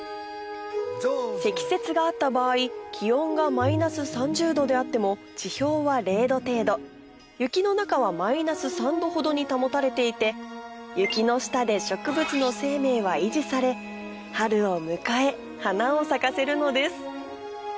積雪があった場合気温がマイナス３０℃であっても地表は０℃程度雪の中はマイナス３℃ほどに保たれていて雪の下で植物の生命は維持され春を迎え花を咲かせるのです